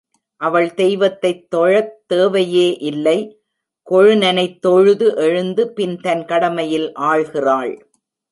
அவள் தெய்வத்தைத் தொழத் தேவையே இல்லை கொழுநனைத் தொழுது எழுந்து பின் தன் கடமையில் ஆழ்கிறாள்.